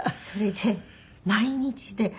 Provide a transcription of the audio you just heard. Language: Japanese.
それで毎日で。